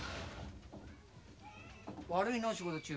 悪いな仕事中。